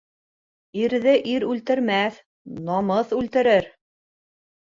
Ирҙе ир үлтермәҫ, намыҫ үлтерер.